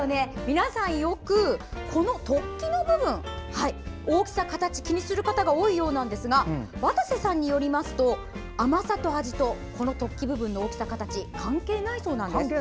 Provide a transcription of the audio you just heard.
皆さん、よくこの突起の部分の大きさや形を気にする方が多いそうなんですが渡瀬さんによりますと甘さと味とこの突起の大きさ、形関係ないそうなんです。